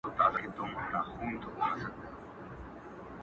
چې په هر حال کې